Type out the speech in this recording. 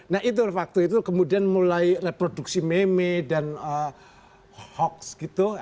nah itu waktu itu kemudian mulai reproduksi meme dan hoax gitu